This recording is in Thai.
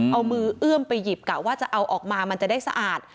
เอามือเอื้อมไปหยิบกะว่าจะเอาออกมามันจะได้สะอาด